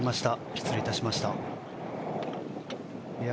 失礼いたしました。